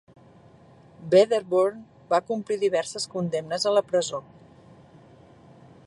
Wedderburn va complir diverses condemnes a la presó.